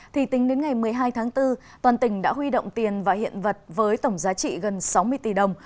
thì tính đến ngày một mươi hai tháng bốn toàn tỉnh đã huy động tiền và hiện vật với tổng giá trị gần sáu mươi tỷ đồng